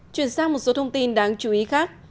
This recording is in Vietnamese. chuyển sang một số thông tin đáng chú ý khác